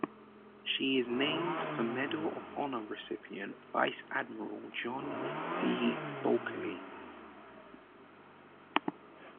She is named for Medal of Honor recipient Vice Admiral John D. Bulkeley.